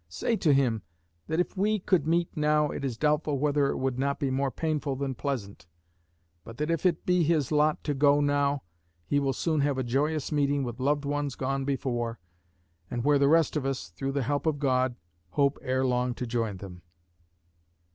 Say to him, that if we could meet now it is doubtful whether it would not be more painful than pleasant; but that if it be his lot to go now he will soon have a joyous meeting with loved ones gone before, and where the rest of us, through the help of God, hope ere long to join them.